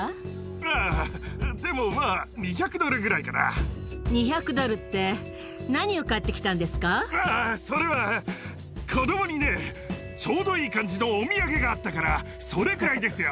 ああ、でもまあ、２００ドル２００ドルって、何を買ってああ、それは子どもにね、ちょうどいい感じのお土産があったから、それくらいですよ。